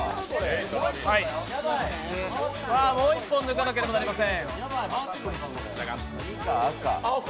もう１本抜かなければなりません。